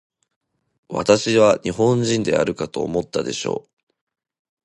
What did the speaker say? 私は日本人であるかと思ったでしょう。